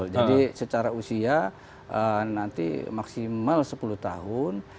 jadi secara usia nanti maksimal sepuluh tahun